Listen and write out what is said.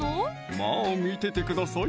まぁ見ててください